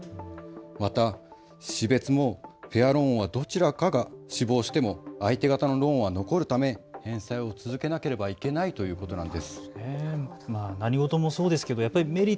また死別もペアローンはどちらかが死亡しても相手方のローンは残るため返済を続けなければいけないということなんです。